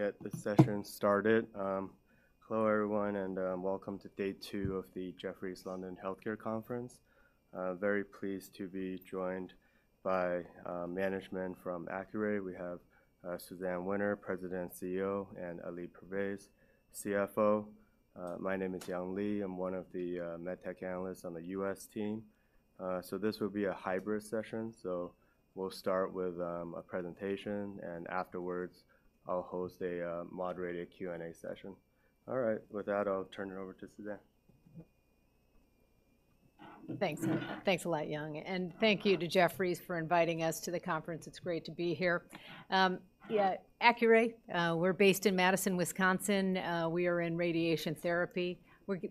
Get the session started. Hello everyone and welcome to day two of the Jefferies London Healthcare Conference. Very pleased to be joined by management from Accuray. We have Suzanne Winter, President and CEO, and Ali Pervaiz, CFO. My name is Young Li. I'm one of the MedTech analysts on the U.S. team. So this will be a hybrid session, so we'll start with a presentation and afterwards I'll host a moderated Q&A session. All right, with that I'll turn it over to Suzanne. Thanks, and thanks a lot, Young. And thank you to Jefferies for inviting us to the conference. It's great to be here. Yeah, Accuray, we're based in Madison, Wisconsin. We are in radiation therapy.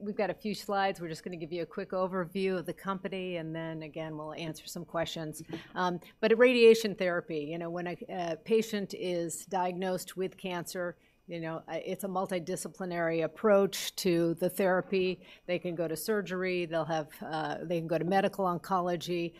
We've got a few slides. We're just gonna give you a quick overview of the company and then again we'll answer some questions. In radiation therapy, you know, when a patient is diagnosed with cancer, you know, it's a multidisciplinary approach to the therapy. They can go to surgery. They can go to medical oncology.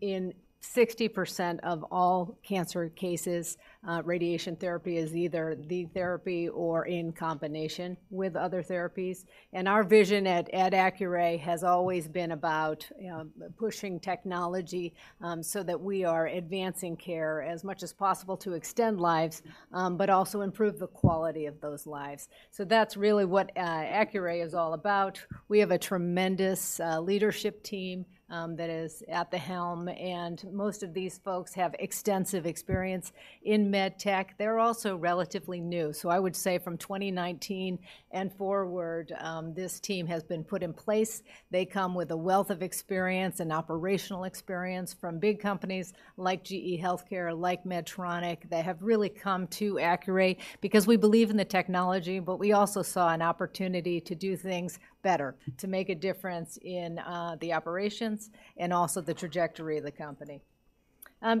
In 60% of all cancer cases, radiation therapy is either the therapy or in combination with other therapies. And our vision at Accuray has always been about, you know, pushing technology, so that we are advancing care as much as possible to extend lives, but also improve the quality of those lives. So that's really what Accuray is all about. We have a tremendous leadership team that is at the helm, and most of these folks have extensive experience in MedTech. They're also relatively new. So I would say from 2019 and forward, this team has been put in place. They come with a wealth of experience and operational experience from big companies like GE HealthCare, like Medtronic. They have really come to Accuray because we believe in the technology, but we also saw an opportunity to do things better, to make a difference in the operations and also the trajectory of the company.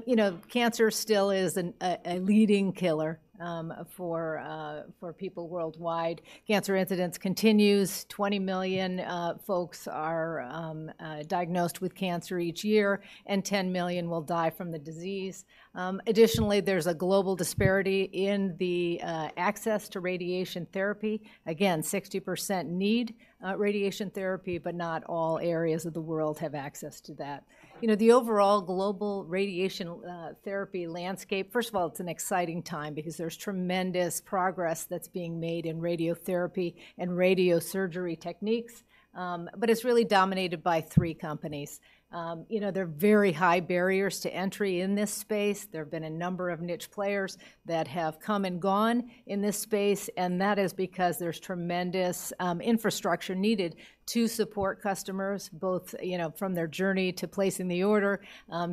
You know, cancer still is a leading killer for people worldwide. Cancer incidence continues. 20 million folks are diagnosed with cancer each year, and 10 million will die from the disease. Additionally, there's a global disparity in the access to radiation therapy. Again, 60% need radiation therapy but not all areas of the world have access to that. You know, the overall global radiation therapy landscape first of all it's an exciting time because there's tremendous progress that's being made in radiotherapy and radiosurgery techniques, but it's really dominated by three companies. You know, there are very high barriers to entry in this space. There have been a number of niche players that have come and gone in this space and that is because there's tremendous infrastructure needed to support customers both, you know, from their journey to placing the order,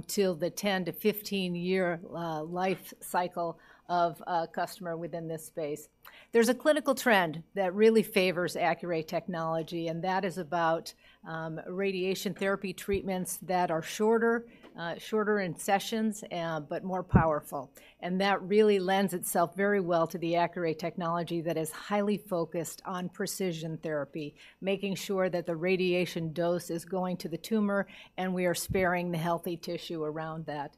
till the 10-to-15-year life cycle of customer within this space. There's a clinical trend that really favors Accuray technology and that is about radiation therapy treatments that are shorter, shorter in sessions, but more powerful. That really lends itself very well to the Accuray technology that is highly focused on precision therapy, making sure that the radiation dose is going to the tumor and we are sparing the healthy tissue around that.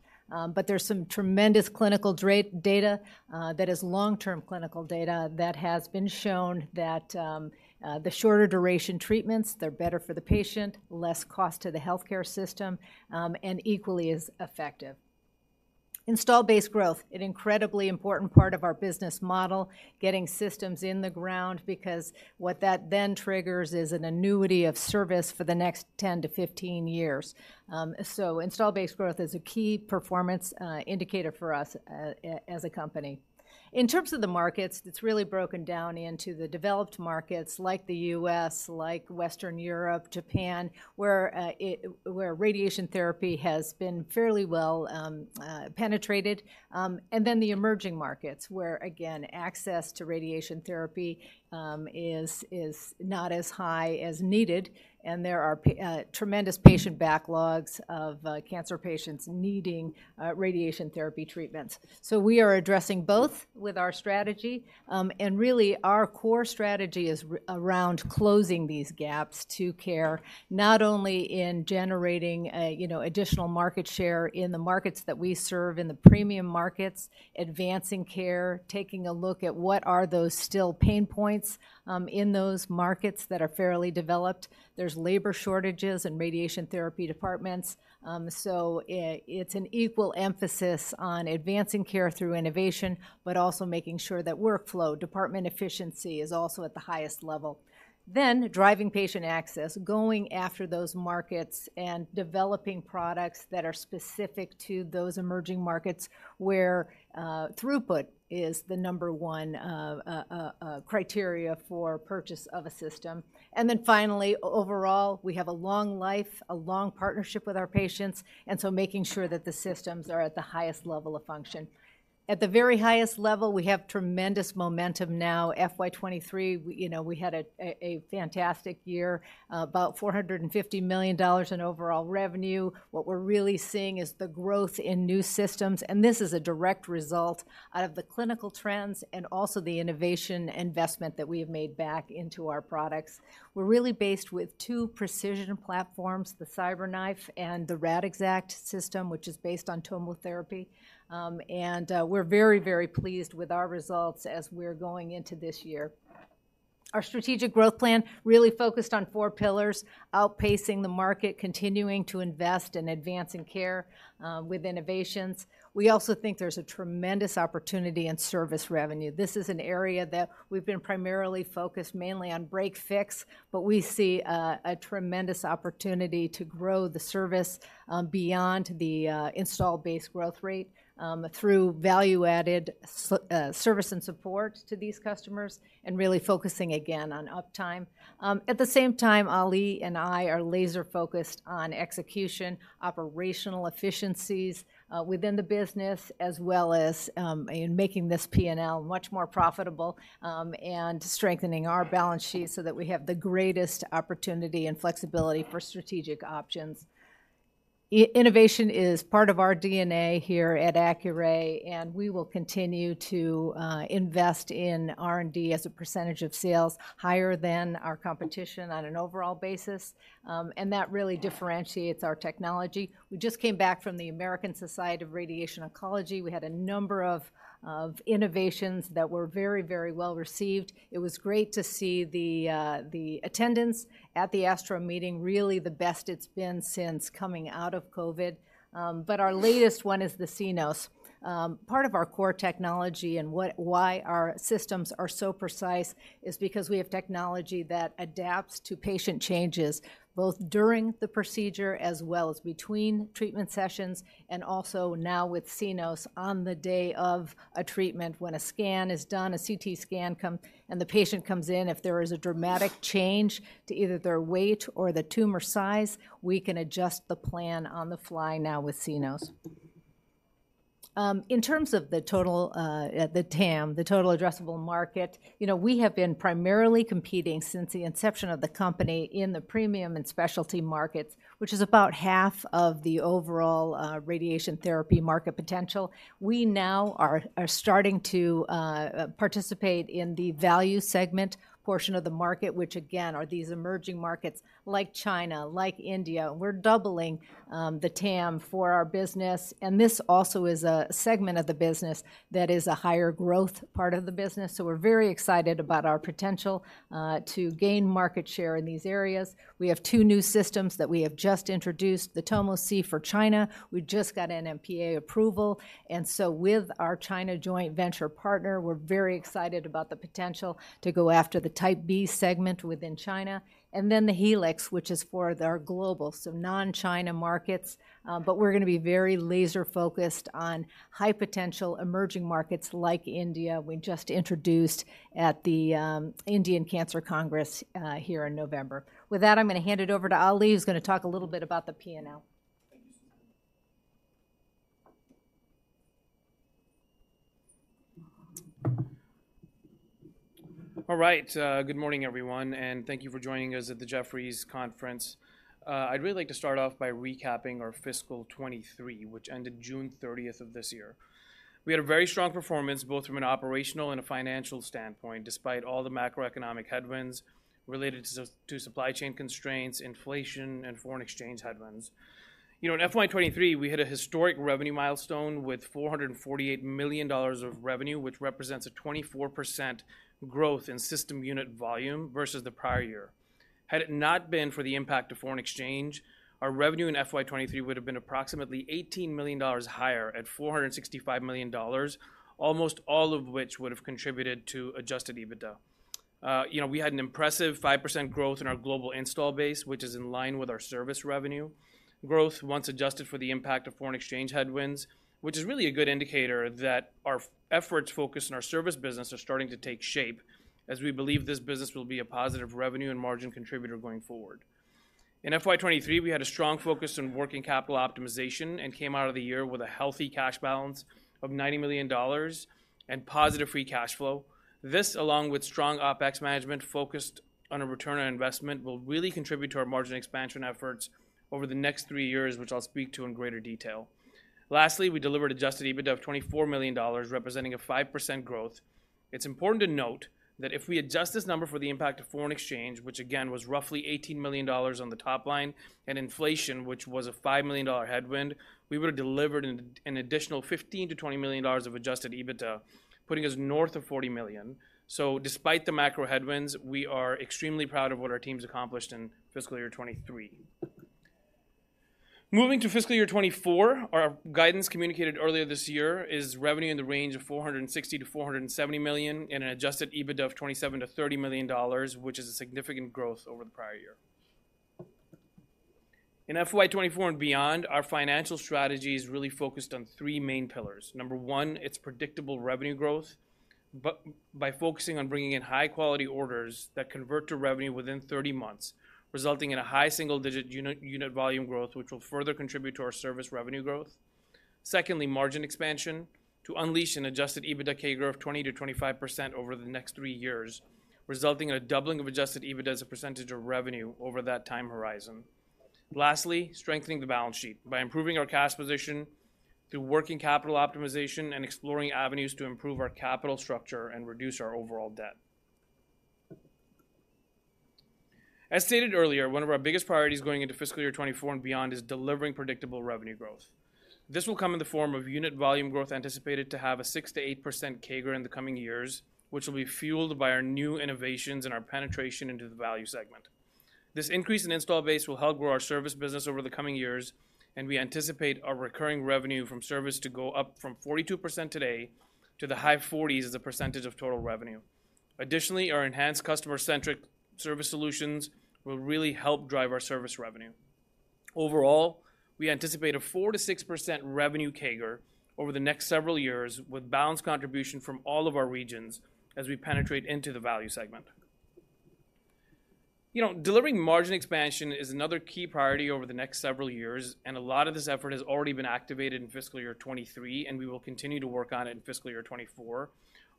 There's some tremendous clinical data, that is long-term clinical data that has been shown that the shorter duration treatments, they're better for the patient, less cost to the healthcare system, and equally as effective. Installed base growth, an incredibly important part of our business model, getting systems in the ground because what that then triggers is an annuity of service for the next 10-15 years. Installed base growth is a key performance indicator for us as a company. In terms of the markets, it's really broken down into the developed markets like the U.S., like Western Europe, Japan, where radiation therapy has been fairly well penetrated. And then the emerging markets where again access to radiation therapy is not as high as needed and there are a tremendous patient backlogs of cancer patients needing radiation therapy treatments. So we are addressing both with our strategy, and really our core strategy is around closing these gaps to care, not only in generating, you know, additional market share in the markets that we serve, in the premium markets, advancing care, taking a look at what are those still pain points in those markets that are fairly developed. There's labor shortages in radiation therapy departments, so it's an equal emphasis on advancing care through innovation but also making sure that workflow, department efficiency is also at the highest level. Then driving patient access, going after those markets and developing products that are specific to those emerging markets where throughput is the number one criterion for purchase of a system. And then finally overall we have a long life, a long partnership with our patients, and so making sure that the systems are at the highest level of function. At the very highest level we have tremendous momentum now. FY23, you know, we had a fantastic year, about $450 million in overall revenue. What we're really seeing is the growth in new systems and this is a direct result out of the clinical trends and also the innovation investment that we have made back into our products. We're really based with two precision platforms, the CyberKnife and the RadXact system, which is based on TomoTherapy. We're very, very pleased with our results as we're going into this year. Our strategic growth plan really focused on four pillars: outpacing the market, continuing to invest, and advancing care, with innovations. We also think there's a tremendous opportunity in service revenue. This is an area that we've been primarily focused mainly on break/fix but we see a tremendous opportunity to grow the service beyond the installed base growth rate, through value-added service and support to these customers and really focusing again on uptime. At the same time Ali and I are laser-focused on execution, operational efficiencies within the business as well as in making this P&L much more profitable, and strengthening our balance sheet so that we have the greatest opportunity and flexibility for strategic options. Innovation is part of our DNA here at Accuray and we will continue to invest in R&D as a percentage of sales higher than our competition on an overall basis. That really differentiates our technology. We just came back from the American Society of Radiation Oncology. We had a number of innovations that were very, very well received. It was great to see the attendance at the ASTRO meeting, really the best it's been since coming out of COVID. But our latest one is the Cenos. Part of our core technology and what why our systems are so precise is because we have technology that adapts to patient changes both during the procedure as well as between treatment sessions and also now with Cenos on the day of a treatment when a scan is done, a CT scan come, and the patient comes in. If there is a dramatic change to either their weight or the tumor size, we can adjust the plan on the fly now with Cenos. In terms of the total, the TAM, the total addressable market, you know, we have been primarily competing since the inception of the company in the premium and specialty markets, which is about half of the overall, radiation therapy market potential. We now are starting to participate in the value segment portion of the market, which again are these emerging markets like China, like India. We're doubling the TAM for our business and this also is a segment of the business that is a higher growth part of the business. So we're very excited about our potential to gain market share in these areas. We have two new systems that we have just introduced, the Tomo C for China. We just got NMPA approval and so with our China joint venture partner we're very excited about the potential to go after the Type B segment within China and then the Helix, which is for our global, so non-China markets. We're gonna be very laser-focused on high-potential emerging markets like India, we just introduced at the Indian Cancer Congress here in November. With that I'm gonna hand it over to Ali who's gonna talk a little bit about the P&L. All right. Good morning everyone and thank you for joining us at the Jefferies Conference. I'd really like to start off by recapping our fiscal 2023, which ended June 30th of this year. We had a very strong performance both from an operational and a financial standpoint despite all the macroeconomic headwinds related to supply chain constraints, inflation, and foreign exchange headwinds. You know, in FY23 we hit a historic revenue milestone with $448 million of revenue, which represents a 24% growth in system unit volume versus the prior year. Had it not been for the impact of foreign exchange, our revenue in FY23 would have been approximately $18 million higher at $465 million, almost all of which would have contributed to Adjusted EBITDA. You know, we had an impressive 5% growth in our global installed base, which is in line with our service revenue. Growth, once adjusted for the impact of foreign exchange headwinds, which is really a good indicator that our efforts focused on our service business are starting to take shape as we believe this business will be a positive revenue and margin contributor going forward. In FY23 we had a strong focus on working capital optimization and came out of the year with a healthy cash balance of $90 million and positive free cash flow. This, along with strong OpEx management focused on a return on investment, will really contribute to our margin expansion efforts over the next three years, which I'll speak to in greater detail. Lastly, we delivered Adjusted EBITDA of $24 million, representing a 5% growth. It's important to note that if we adjust this number for the impact of foreign exchange, which again was roughly $18 million on the top line, and inflation, which was a $5 million headwind, we would have delivered an additional $15-$20 million of Adjusted EBITDA, putting us north of $40 million. Despite the macro headwinds we are extremely proud of what our team's accomplished in fiscal year 2023. Moving to fiscal year 2024, our guidance communicated earlier this year is revenue in the range of $460-$470 million and an Adjusted EBITDA of $27-$30 million, which is a significant growth over the prior year. In FY24 and beyond our financial strategy is really focused on three main pillars. Number one, it's predictable revenue growth by focusing on bringing in high-quality orders that convert to revenue within 30 months, resulting in a high single-digit unit volume growth, which will further contribute to our service revenue growth. Secondly, margin expansion to unleash an adjusted EBITDA CAGR of 20%-25% over the next three years, resulting in a doubling of adjusted EBITDA as a percentage of revenue over that time horizon. Lastly, strengthening the balance sheet by improving our cash position through working capital optimization and exploring avenues to improve our capital structure and reduce our overall debt. As stated earlier, one of our biggest priorities going into fiscal year 2024 and beyond is delivering predictable revenue growth. This will come in the form of unit volume growth anticipated to have a 6%-8% CAGR in the coming years, which will be fueled by our new innovations and our penetration into the value segment. This increase in installed base will help grow our service business over the coming years and we anticipate our recurring revenue from service to go up from 42% today to the high 40s% as a percentage of total revenue. Additionally, our enhanced customer-centric service solutions will really help drive our service revenue. Overall, we anticipate a 4%-6% revenue CAGR over the next several years with balanced contribution from all of our regions as we penetrate into the value segment. You know, delivering margin expansion is another key priority over the next several years and a lot of this effort has already been activated in fiscal year 2023 and we will continue to work on it in fiscal year 2024.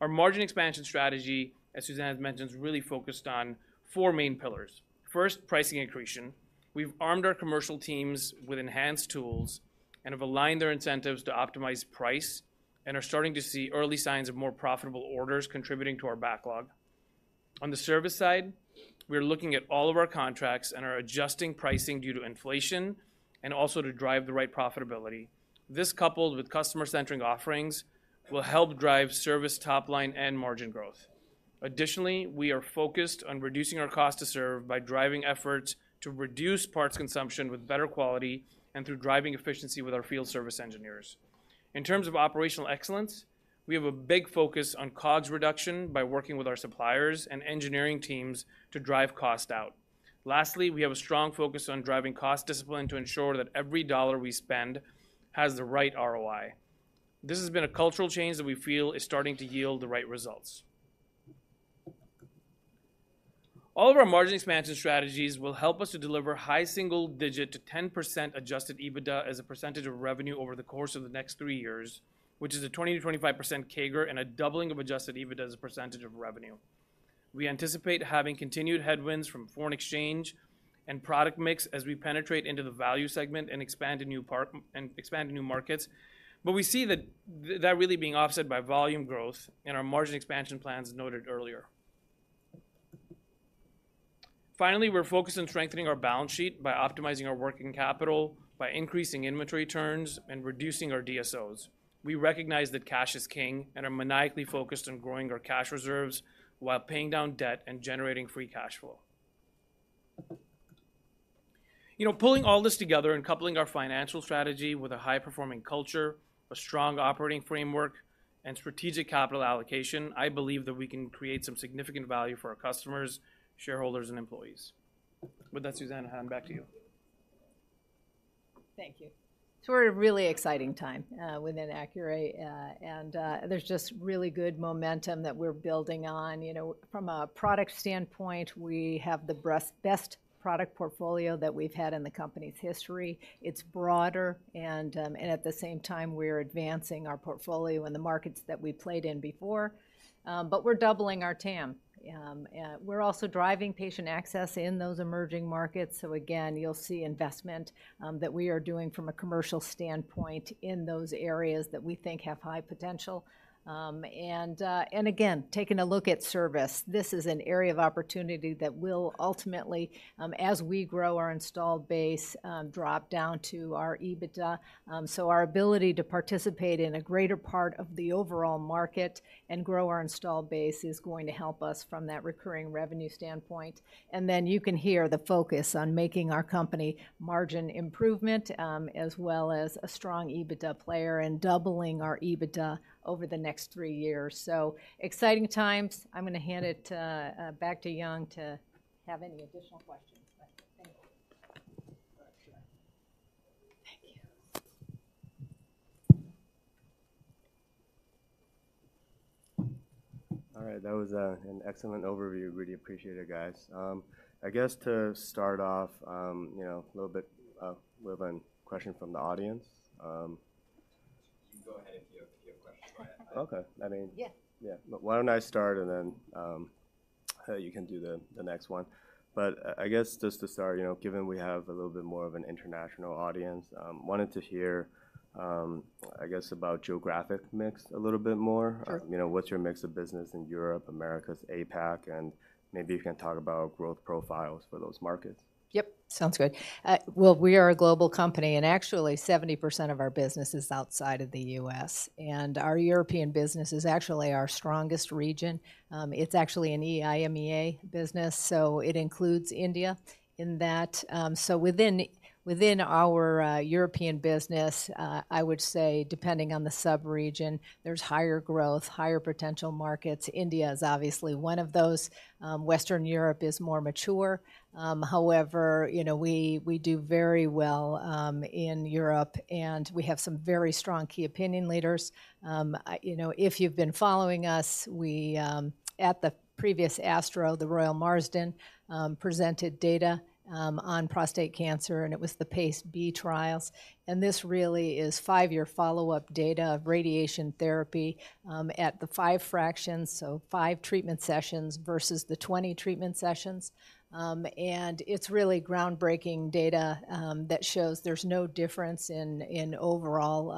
Our margin expansion strategy, as Suzanne has mentioned, is really focused on four main pillars. First, pricing increase. We've armed our commercial teams with enhanced tools and have aligned their incentives to optimize price and are starting to see early signs of more profitable orders contributing to our backlog. On the service side, we are looking at all of our contracts and are adjusting pricing due to inflation and also to drive the right profitability. This, coupled with customer-centric offerings, will help drive service top line and margin growth. Additionally, we are focused on reducing our cost to serve by driving efforts to reduce parts consumption with better quality and through driving efficiency with our field service engineers. In terms of operational excellence, we have a big focus on cost reduction by working with our suppliers and engineering teams to drive cost out. Lastly, we have a strong focus on driving cost discipline to ensure that every dollar we spend has the right ROI. This has been a cultural change that we feel is starting to yield the right results. All of our margin expansion strategies will help us to deliver high single-digit-10% Adjusted EBITDA as a percentage of revenue over the course of the next three years, which is a 20 to 25% CAGR and a doubling of Adjusted EBITDA as a percentage of revenue. We anticipate having continued headwinds from foreign exchange and product mix as we penetrate into the value segment and expand to new par and expand to new markets, but we see that really being offset by volume growth in our margin expansion plans noted earlier. Finally, we're focused on strengthening our balance sheet by optimizing our working capital, by increasing inventory turns, and reducing our DSOs. We recognize that cash is king and are maniacally focused on growing our cash reserves while paying down debt and generating free cash flow. You know, pulling all this together and coupling our financial strategy with a high-performing culture, a strong operating framework, and strategic capital allocation, I believe that we can create some significant value for our customers, shareholders, and employees. With that, Suzanne, I'll hand back to you. Thank you. It's sort of a really exciting time within Accuray, and there's just really good momentum that we're building on. You know, from a product standpoint we have the best product portfolio that we've had in the company's history. It's broader and at the same time we are advancing our portfolio in the markets that we played in before. But we're doubling our TAM. We're also driving patient access in those emerging markets. So again you'll see investment that we are doing from a commercial standpoint in those areas that we think have high potential. And again taking a look at service, this is an area of opportunity that will ultimately, as we grow our installed base, drop down to our EBITDA. So our ability to participate in a greater part of the overall market and grow our installed base is going to help us from that recurring revenue standpoint. And then you can hear the focus on making our company margin improvement, as well as a strong EBITDA player and doubling our EBITDA over the next three years. So exciting times. I'm gonna hand it back to Young to have any additional questions. But thank you. All right, Suzanne. Thank you. All right. That was an excellent overview. Really appreciate it, guys. I guess to start off, you know, a little bit, we have a question from the audience. Go ahead if you have a question. Okay. I mean. Yeah. Yeah. But why don't I start and then, I thought you can do the next one. But, I guess just to start, you know, given we have a little bit more of an international audience, wanted to hear, I guess about geographic mix a little bit more. You know, what's your mix of business in Europe, America, APAC, and maybe you can talk about growth profiles for those markets? Yep. Sounds good. Well, we are a global company and actually 70% of our business is outside of the US and our European business is actually our strongest region. It's actually an EIMEA business so it includes India in that. So within our European business, I would say depending on the subregion there's higher growth, higher potential markets. India is obviously one of those. Western Europe is more mature. However, you know, we do very well in Europe and we have some very strong key opinion leaders. You know, if you've been following us, we at the previous ASTRO, the Royal Marsden, presented data on prostate cancer and it was the PACE-B trials. This really is five-year follow-up data of radiation therapy at the five fractions, so five treatment sessions versus the 20 treatment sessions. It's really groundbreaking data, that shows there's no difference in overall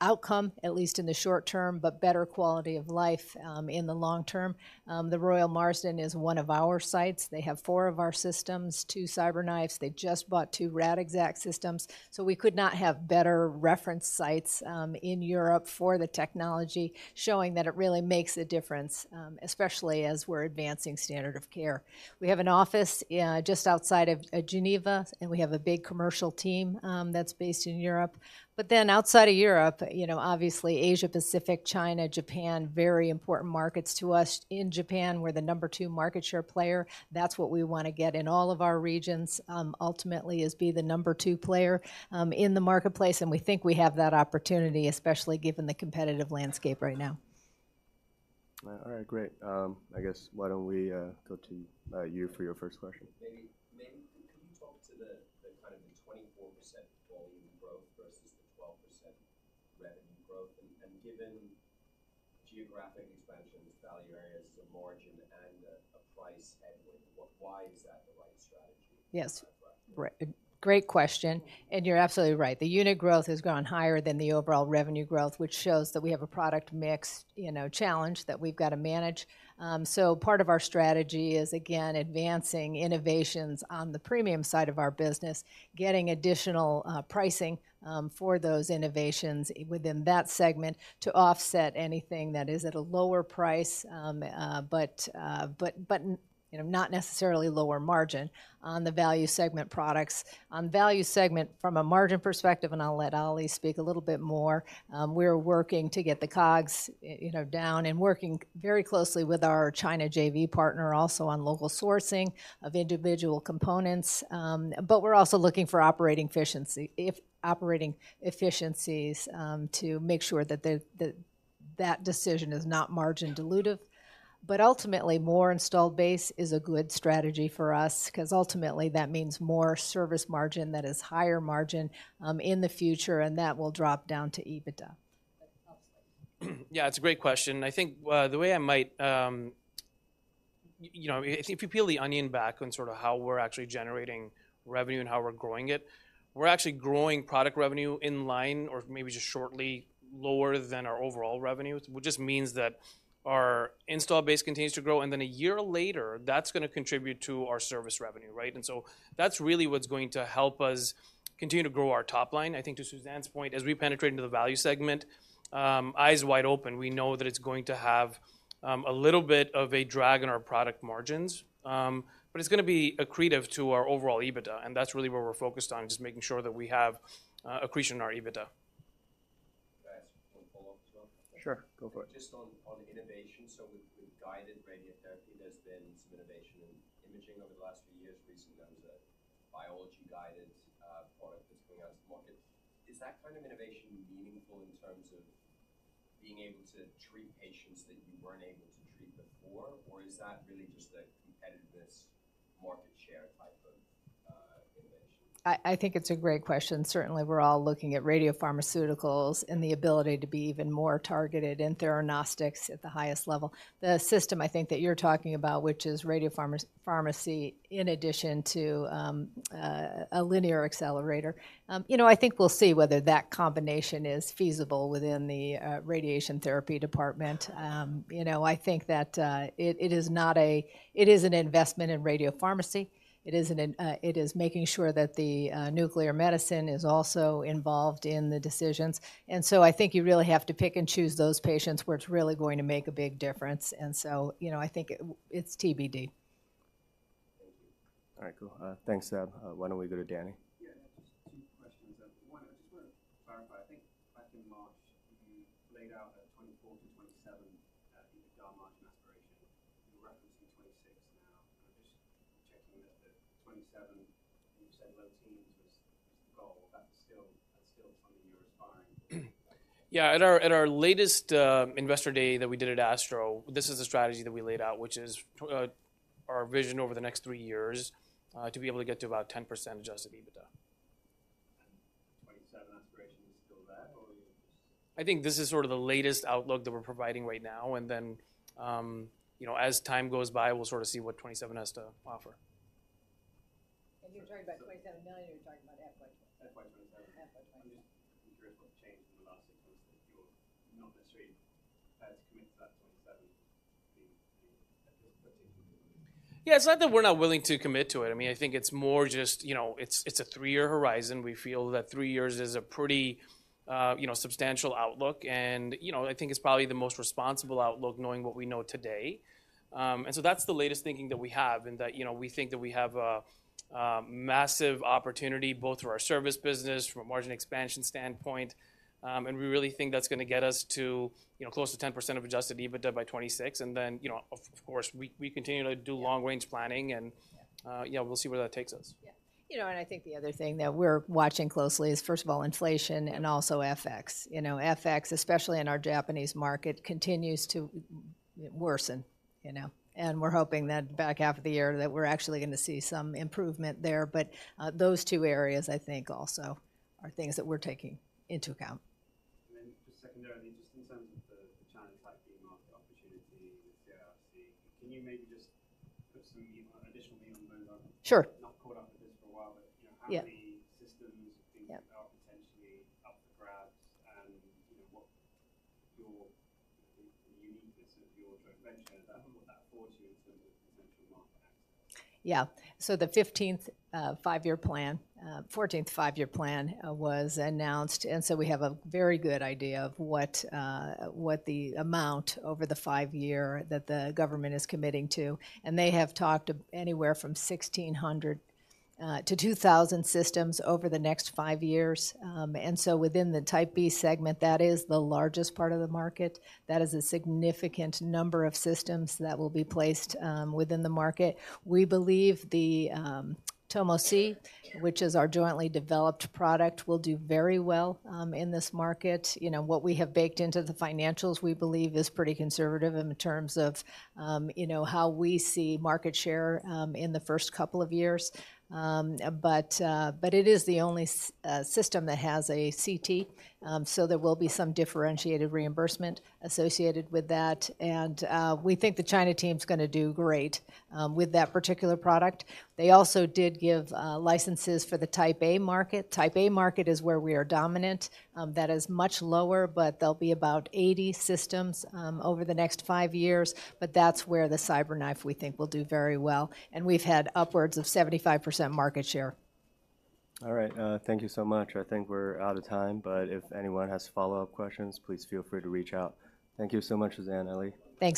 outcome, at least in the short term, but better quality of life, in the long term. The Royal Marsden is one of our sites. They have four of our systems, two CyberKnives. They just bought two RadXact systems. So we could not have better reference sites, in Europe for the technology showing that it really makes a difference, especially as we're advancing standard of care. We have an office, just outside of Geneva and we have a big commercial team, that's based in Europe. But then outside of Europe, you know, obviously Asia-Pacific, China, Japan, very important markets to us. In Japan we're the number two market share player. That's what we wanna get in all of our regions, ultimately is be the number two player in the marketplace, and we think we have that opportunity, especially given the competitive landscape right now. All right. Great. I guess why don't we go to you for your first question. Maybe can we talk to the kind of the 24% volume growth versus the 12% revenue growth? And given geographic expansions, value areas, some margin, and a price headwind, why is that the right strategy? Yes. Right. Great, great question. And you're absolutely right. The unit growth has gone higher than the overall revenue growth, which shows that we have a product mix, you know, challenge that we've gotta manage. So part of our strategy is again advancing innovations on the premium side of our business, getting additional pricing for those innovations within that segment to offset anything that is at a lower price, but you know, not necessarily lower margin on the value segment products. On value segment from a margin perspective, and I'll let Ali speak a little bit more, we are working to get the COGS, you know, down and working very closely with our China JV partner also on local sourcing of individual components. But we're also looking for operating efficiency, operating efficiencies, to make sure that that decision is not margin dilutive. Ultimately more Installed Base is a good strategy for us 'cause ultimately that means more service margin that is higher margin in the future, and that will drop down to EBITDA. Yeah. It's a great question. I think, the way I might, you know, if you peel the onion back on sort of how we're actually generating revenue and how we're growing it, we're actually growing product revenue in line or maybe just shortly lower than our overall revenue, which just means that our installed base continues to grow and then a year later that's gonna contribute to our service revenue, right? And so that's really what's going to help us continue to grow our top line. I think to Suzanne's point, as we penetrate into the value segment, eyes wide open. We know that it's going to have, a little bit of a drag on our product margins, but it's gonna be accretive to our overall EBITDA and that's really where we're focused on, just making sure that we have, accretion in our EBITDA. Follow up as well? Sure. Go for it. Just on innovation. So we've guided radiotherapy. There's been some innovation in imaging over the last few years. Recently there was a biology-guided product that's going out to the markets. Is that kind of innovation meaningful in terms of being able to treat patients that you weren't able to treat before or is that really just the competitiveness? I think it's a great question. Certainly we're all looking at radiopharmaceuticals and the ability to be even more targeted and theranostics at the highest level. The system I think that you're talking about, which is radiopharmacy in addition to a linear accelerator, you know, I think we'll see whether that combination is feasible within the radiation therapy department. You know, I think that it is not; it is an investment in radiopharmacy. It is making sure that the nuclear medicine is also involved in the decisions. And so I think you really have to pick and choose those patients where it's really going to make a big difference. And so, you know, I think it's TBD. All right. Cool. Thanks, Sam. Why don't we go to Danny? You laid out a 24 to 27% EBITDA margin aspiration. Your record's been 26% now. I'm just checking with the 27% you've said low teens was. Yeah. At our latest Investor Day that we did at ASTRO, this is the strategy that we laid out, which is that's our vision over the next three years, to be able to get to about 10% Adjusted EBITDA. I think this is sort of the latest outlook that we're providing right now and then, you know, as time goes by we'll sort of see what 2027 has to offer. You're talking about $27 million. You're talking about halfway to 27. Halfway to 27. Halfway to 27. I'm curious what changed in the last six months that you're not necessarily as committed? Yeah. It's not that we're not willing to commit to it. I mean, I think it's more just, you know, it's, it's a three-year horizon. We feel that three years is a pretty, you know, substantial outlook and, you know, I think it's probably the most responsible outlook knowing what we know today. So that's the latest thinking that we have and that, you know, we think that we have a massive opportunity both for our service business from a margin expansion standpoint. We really think that's gonna get us to, you know, close to 10% of adjusted EBITDA by 2026 and then, you know, of course we, we continue to do long-range planning and, yeah, we'll see where that takes us. Yeah. You know, and I think the other thing that we're watching closely is, first of all, inflation and also FX. You know, FX, especially in our Japanese market, continues to worsen, you know, and we're hoping that back half of the year that we're actually gonna see some improvement there. But those two areas I think also are things that we're taking into account. Suzanne, on the China linac opportunity with JV. Can you maybe just put some light on additional things that we're not. Sure. Not caught on to this for a while. You know, how many systems? Yeah. Being developed potentially off the graphs and, you know, what your. Yeah. So the 15th five-year plan, 14th five-year plan, was announced and so we have a very good idea of what, what the amount over the five-year that the government is committing to. And they have talked of anywhere from 1,600-2,000 systems over the next five years. And so within the Type B segment, that is the largest part of the market. That is a significant number of systems that will be placed, within the market. We believe the Tomo C, which is our jointly developed product, will do very well, in this market. You know, what we have baked into the financials we believe is pretty conservative in terms of, you know, how we see market share, in the first couple of years. But it is the only system that has a CT. So there will be some differentiated reimbursement associated with that and we think the China team's gonna do great with that particular product. They also did give licenses for the Type A market. Type A market is where we are dominant. That is much lower but there'll be about 80 systems over the next 5 years. But that's where the CyberKnife we think will do very well and we've had upwards of 75% market share. All right. Thank you so much. I think we're out of time but if anyone has follow-up questions please feel free to reach out. Thank you so much, Suzanne, Ali. Thank you.